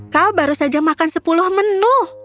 kau baru saja makan sepuluh menu